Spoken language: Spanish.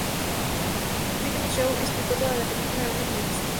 Brittany Snow explicó toda la película en una entrevista.